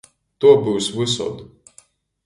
Tuo byus vysod.